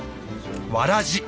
「わらじ」。